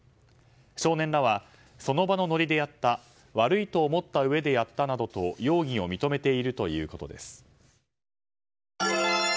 少年らはその場のノリでやった悪いと思ったうえでやったなどと容疑を認めているということです。